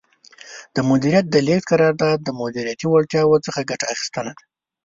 د مدیریت د لیږد قرار داد د مدیریتي وړتیاوو څخه ګټه اخیستنه ده.